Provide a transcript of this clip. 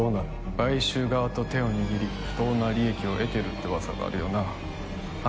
買収側と手を握り不当な利益を得てるってうわさがあるよなあ